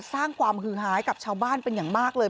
สร้างความฮือหายกับชาวบ้านเป็นอย่างมากเลย